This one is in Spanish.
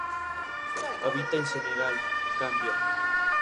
Habita en Senegal y Gambia.